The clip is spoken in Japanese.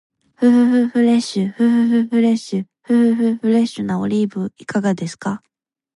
ふふふフレッシュ、ふふふフレッシュ、ふふふフレッシュなオリーブいかがですか？